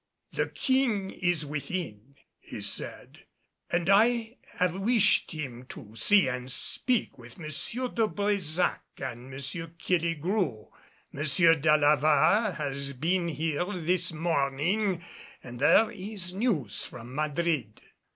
"The King is within," he said, "and I have wished him to see and speak with M. de Brésac and M. Killigrew. M. d'Alava has been here this morning and there is news from Madrid."